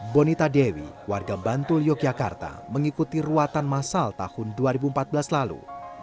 bonita dewi warga bantul yogyakarta mengikuti ruatan masal tahun dua ribu empat belas lalu